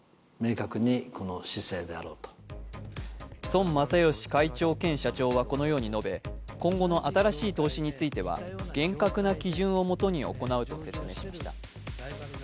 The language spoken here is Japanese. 孫正義会長兼社長はこのように述べ、今後の新しい投資については厳格な基準をもとに行うと説明しました。